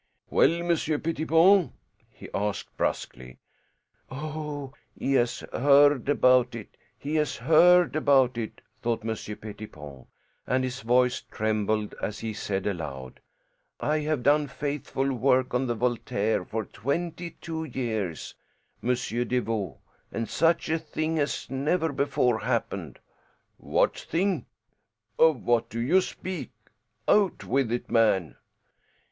"Well, Monsieur Pettipon?" he asked brusquely. "Oh, he has heard about it, he has heard about it," thought Monsieur Pettipon; and his voice trembled as he said aloud, "I have done faithful work on the Voltaire for twenty two years, Monsieur Deveau, and such a thing has never before happened." "What thing? Of what do you speak? Out with it, man."